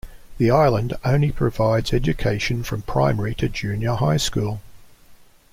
The island only provides education from primary to junior high school.